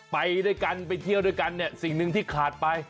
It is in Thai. ไปด้วยกันไปเที่ยวด้วยกันเนี่ยสิ่งหนึ่งที่ขาดไป